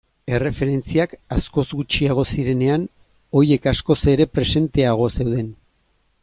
Erreferentziak askoz gutxiago zirenean, horiek askoz ere presenteago zeuden.